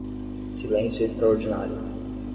Silêncio extraordinário